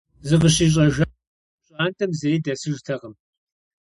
ЗыкъыщищӀэжам пщӀантӀэм зыри дэсыжтэкъым.